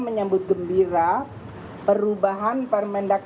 menyambut gembira perubahan permendak tiga puluh enam dua ribu dua puluh empat